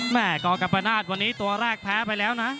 แม่กองกับประนาทวันนี้ตัวแรกแพ้ไปแล้วนะ